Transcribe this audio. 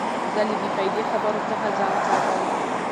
زه له بې فایدې خبرو څخه ځان ساتم.